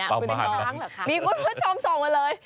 ติดตามทางราวของความน่ารักกันหน่อย